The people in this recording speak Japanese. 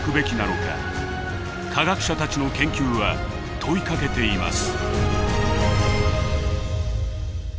科学者たちの研究は問いかけています。